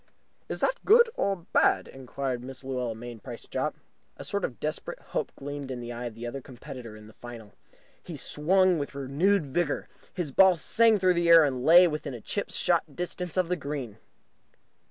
"Is that good or bad?" inquired Mrs. Luella Mainprice Jopp. A sort of desperate hope gleamed in the eye of the other competitor in the final. He swung with renewed vigour. His ball sang through the air, and lay within chip shot distance of the green.